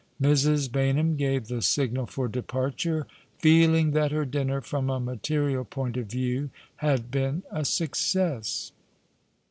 Mrs. Baynham gave the signal for departure, feeling that her dinner, from a material point of view, had been a success.